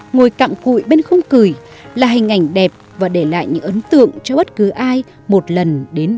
ngồi cặm cụi bên không cười là hình ảnh đẹp và để lại những ấn tượng cho bất cứ ai một lần đến